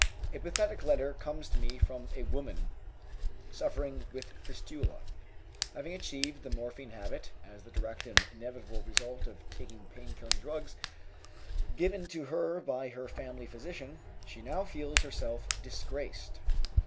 A pathetic letter comes to me from a woman suffering with fistula. Having achieved the morphine habit as the direct and inevitable result of taking pain killing drugs given to her by her family physician, she now feels herself disgraced.